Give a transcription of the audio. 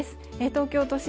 東京都心